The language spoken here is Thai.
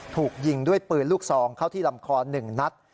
ถูกยิงด้วยปืนลูกซองเข้าที่ลำคอ๑นัด